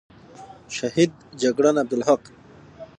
شهید جگړن عبدالحق،